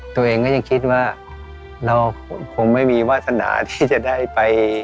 ตัวเองก็ยังคิดว่าเราคงไม่มีวาสนาที่จะได้ไป